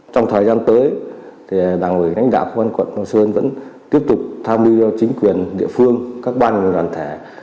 trong thời gian tới thì đảng ủy đánh đạo quân quận hồ sơn vẫn tiếp tục tham lưu cho chính quyền địa phương các ban người đoàn thể